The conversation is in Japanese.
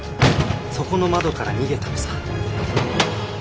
そこの窓から逃げたのさ。